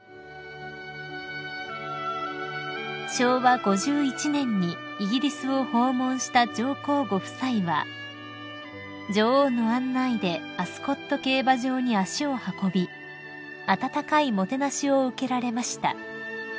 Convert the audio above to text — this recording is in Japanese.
［昭和５１年にイギリスを訪問した上皇ご夫妻は女王の案内でアスコット競馬場に足を運び温かいもてなしを受けられました］